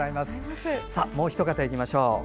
もうひと方、いきましょう。